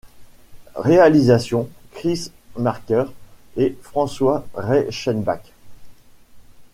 Réalisation : Chris Marker et François Reichenbach.